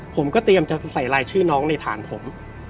ผมก็เตรียมจะใส่ลายชื่อน้องในฐานผม